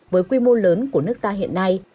với quy mô lớn của nước ta hiện nay